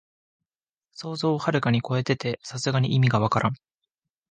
想像をはるかにこえてて、さすがに意味がわからん